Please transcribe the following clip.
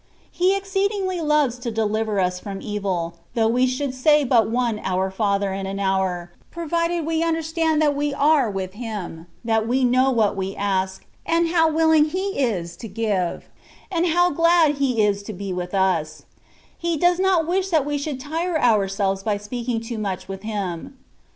He exceedingly loves to deliver us from evil, though we should say but one " Our Father^' in an hour, provided we understand that we are with Him, and that we know what we ask, and how willing He is to give, and how glad He is to be with us ; He does ndt wish that we should tire ourselves by speaking too much with Him.